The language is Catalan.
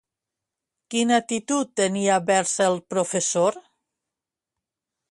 Quina actitud tenia vers el professor?